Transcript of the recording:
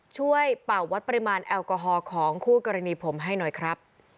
เป่าวัดปริมาณแอลกอฮอลของคู่กรณีผมให้หน่อยครับ